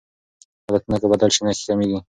عادتونه که بدل شي نښې کمېږي.